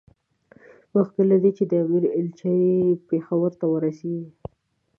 مخکې له دې چې د امیر ایلچي پېښور ته ورسېږي.